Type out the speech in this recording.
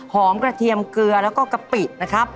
หอมกระเทียมเกลือแล้วก็กระเป๋า